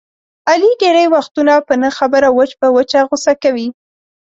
علي ډېری وختونه په نه خبره وچ په وچه غوسه کوي.